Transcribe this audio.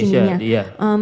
di indonesia iya